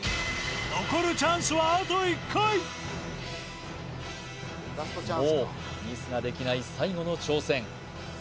残るチャンスはあと１回もうミスができない最後の挑戦